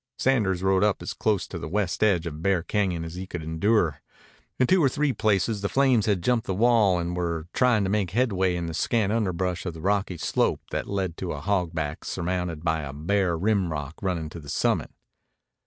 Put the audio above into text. Sanders rode up as close to the west edge of Bear Cañon as he could endure. In two or three places the flames had jumped the wall and were trying to make headway in the scant underbrush of the rocky slope that led to a hogback surmounted by a bare rimrock running to the summit.